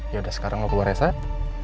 yaudah sekarang gue keluar ya zah